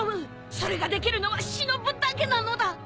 それができるのはしのぶだけなのだ！